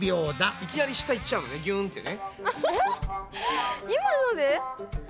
いきなり下行っちゃうのねギューンってね。